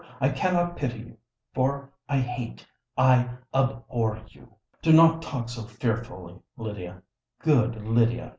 I cannot pity you—for I hate, I abhor you!" "Do not talk so fearfully, Lydia—good Lydia!"